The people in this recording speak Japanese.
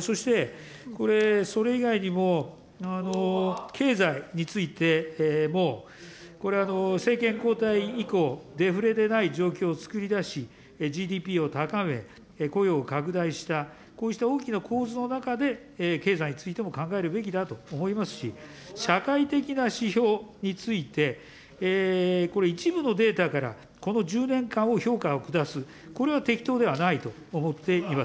そして、これ、それ以外にも、経済についてもこれは政権交代以降、デフレでない状況を作り出し、ＧＤＰを高め、雇用を拡大した、こうした大きな構図の中で、経済についても考えるべきだと思いますし、社会的な指標について、これ一部のデータから、この１０年間を評価を下す、これは適当ではないと思っています。